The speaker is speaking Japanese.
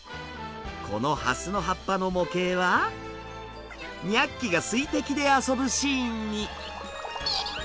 このハスの葉っぱの模型はニャッキが水滴で遊ぶシーンに。